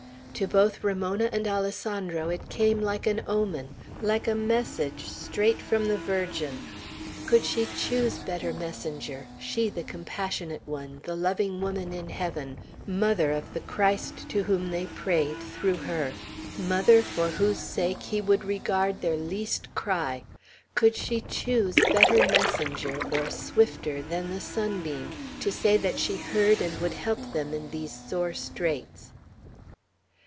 To both Ramona and Alessandro it came like an omen, like a message straight from the Virgin. Could she choose better messenger, she, the compassionate one, the loving woman in heaven; mother of the Christ to whom they prayed, through her, mother, for whose sake He would regard their least cry, could she choose better messenger, or swifter, than the sunbeam, to say that she heard and would help them in these sore straits.